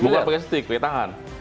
bukan pakai stick di tangan